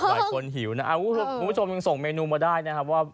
หลายคนหิวนะครับคุณผู้ชมยังส่งเมนูมาได้นะครับว่า